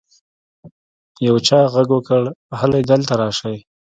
يو چا ږغ وکړ هلئ دلته راسئ.